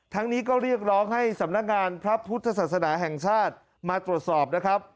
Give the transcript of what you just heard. นี้ก็เรียกร้องให้สำนักงานพระพุทธศาสนาแห่งชาติมาตรวจสอบนะครับ